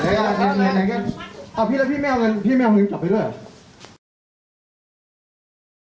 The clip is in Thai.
เอาพี่ซับพี่แม่วิง